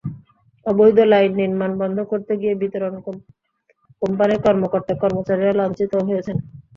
অবৈধ লাইন নির্মাণ বন্ধ করতে গিয়ে বিতরণ কোম্পানির কর্মকর্তা-কর্মচারীরা লাঞ্ছিতও হয়েছেন।